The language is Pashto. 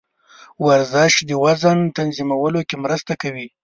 ورزش د وزن تنظیمولو کې مرسته کوي.